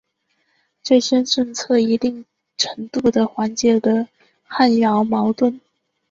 这些政策一定程度的缓解了汉瑶矛盾。